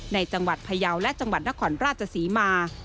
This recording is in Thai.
ในจังหวัดพยาวและจังหวัดนครราชศรีมา